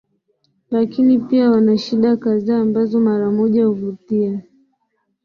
Lakini pia wana shida kadhaa ambazo mara moja huvutia